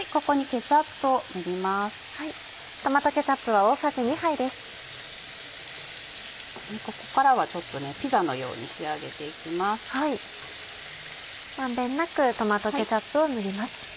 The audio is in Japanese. ここからはピザのように仕上げて行きます。